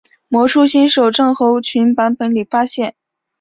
魔术新手症候群版本里发现。